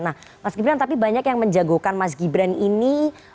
nah mas gibran tapi banyak yang menjagokan mas gibran ini